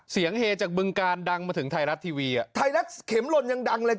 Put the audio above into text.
เฮจากบึงการดังมาถึงไทยรัฐทีวีอ่ะไทยรัฐเข็มหล่นยังดังเลย